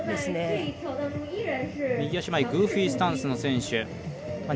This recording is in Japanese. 右足前グーフィースタンスの選手。